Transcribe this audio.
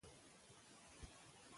ځینې وايي چې پښتو ګرانه ده